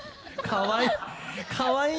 かわいい。